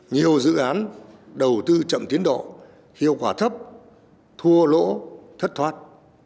nhiều dự án đầu tư chậm tiến độ hiệu quả thấp thua lỗ thất thoát